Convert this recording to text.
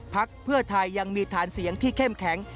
พักเพื่อไทยยังมีฐานเสียงที่เข้มแข็ง